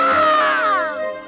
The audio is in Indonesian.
cirebon tasik semarang